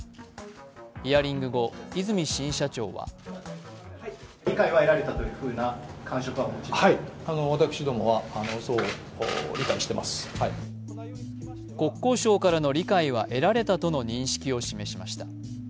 ヒアリング後、和泉新社長は国交省からの理解は得られたとの認識を示しました。